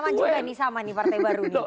main nama juga sama nih partai baru